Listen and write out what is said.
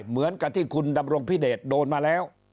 เหมือนกับที่คุณดำรงพิเดชโดนมาแล้ว